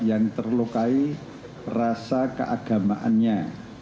yang terlukai rasa keagamaannya